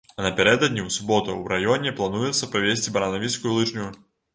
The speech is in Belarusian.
А напярэдадні, у суботу, у раёне плануецца правесці баранавіцкую лыжню.